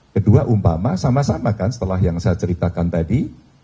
kedua umpama sama sama kan setelah yang saya ceritakan tadi